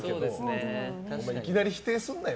いきなり否定するなよ